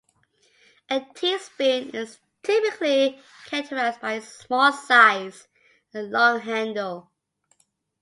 A teaspoon is typically characterized by its small size and long handle.